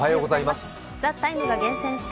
「ＴＨＥＴＩＭＥ，」が厳選した